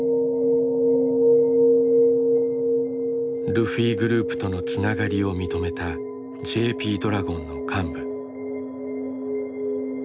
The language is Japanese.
ルフィグループとのつながりを認めたＪＰドラゴンの幹部。